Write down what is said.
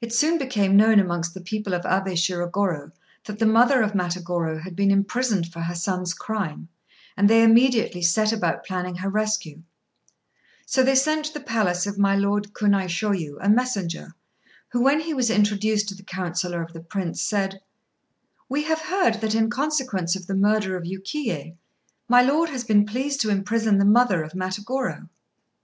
It soon became known amongst the people of Abé Shirogorô that the mother of Matagorô had been imprisoned for her son's crime, and they immediately set about planning her rescue; so they sent to the palace of my Lord Kunaishôyu a messenger, who, when he was introduced to the councillor of the Prince, said "We have heard that, in consequence of the murder of Yukiyé, my lord has been pleased to imprison the mother of Matagorô.